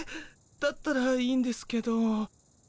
だったらいいんですけど。